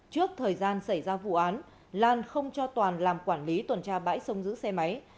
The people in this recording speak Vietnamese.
trước thời gian xảy ra vụ án lan không cho toàn làm quản lý tuần tra bãi sông giữ xe máy